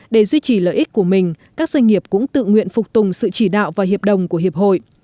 để duy trì lợi ích của mình các doanh nghiệp cũng tự nguyện phục tùng sự chỉ đạo và hiệp đồng của hiệp hội